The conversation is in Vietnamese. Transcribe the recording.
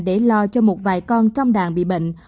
để lo cho một vài con trong đàn bị bệnh